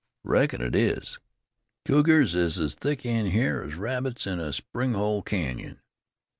"Reckon it is. Cougars is as thick in hyar as rabbits in a spring hole canyon.